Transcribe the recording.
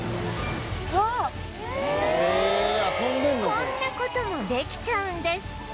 こんな事もできちゃうんです